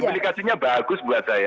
implikasinya bagus buat saya